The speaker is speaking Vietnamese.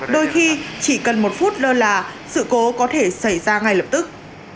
đôi khi chỉ cần một phút lơ là sự cố có thể xảy ra ngay lập tức